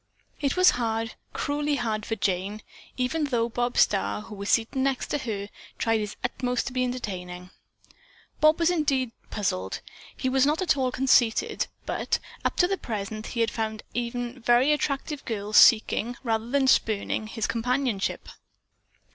It was hard, cruelly hard for Jane, even though Bob Starr, who was seated next to her, tried his utmost to be entertaining. Bob was indeed puzzled. He was not at all conceited, but, up to the present, he had found even very attractive girls seeking, rather than spurning, his companionship.